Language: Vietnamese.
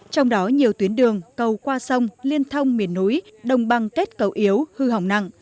trong đó nhiều tuyến đường cầu qua sông liên thông miền núi đồng băng kết cầu yếu hư hỏng nặng